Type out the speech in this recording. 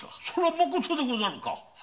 まことでござるか？